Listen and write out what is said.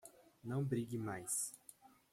Não brigue mais